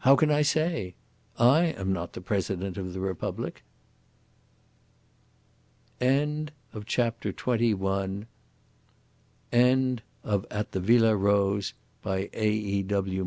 How can I say? I am not the President of the Republic." END End of the Project Gutenberg EBook of At the Villa Rose, by A. E. W.